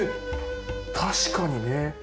確かにね。